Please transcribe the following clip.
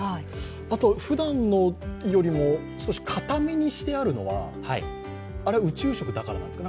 ふだんよりも少し硬めにしてあるのは宇宙食だからなんですか？